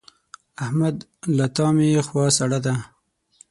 احمد له تا مې خوا سړه ده.